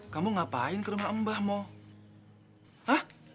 kamu ngapain ke rumah mbahmu